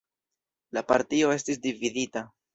La partio estis dividita.